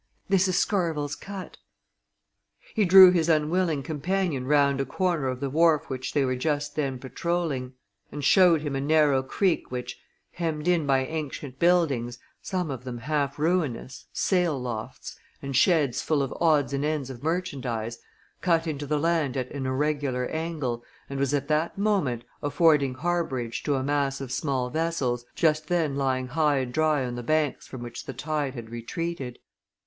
this is Scarvell's Cut." He drew his unwilling companion round a corner of the wharf which they were just then patrolling and showed him a narrow creek which, hemmed in by ancient buildings, some of them half ruinous, sail lofts, and sheds full of odds and ends of merchandise, cut into the land at an irregular angle and was at that moment affording harbourage to a mass of small vessels, just then lying high and dry on the banks from which the tide had retreated.